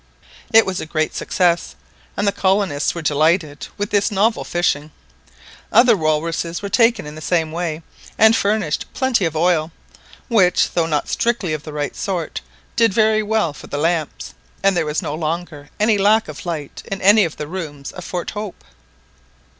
It was a great success, and the colonists were delighted with this novel fishing. Other walruses were taken in the same way, and furnished plenty of oil, which, though not strictly of the right sort, did very well for the lamps, and there was no longer any lack of light in any of the rooms of Fort Hope.